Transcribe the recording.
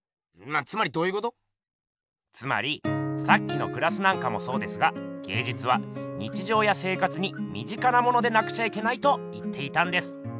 つまりさっきのグラスなんかもそうですが芸術は日じょうや生活にみ近なものでなくちゃいけないと言っていたんです。